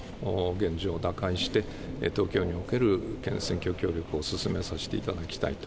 現状を打開して、東京における選挙協力を進めさせていただきたいと。